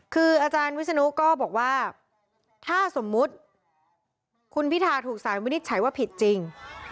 คืออาจารย์วิศนุก็บอกว่าถ้าสมมุติคุณพิธาถูกสารวินิจฉัยว่าผิดจริง